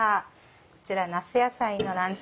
こちら那須野菜のランチ